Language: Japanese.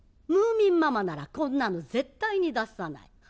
ムーミンママならこんなの絶対に出さない。